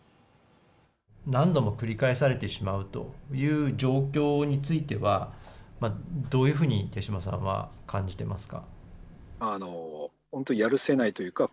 何度も繰り返されてしまうという状況についてはどういう風に手島さんは感じていますか。